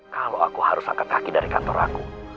kalau aku harus angkat kaki dari kantor aku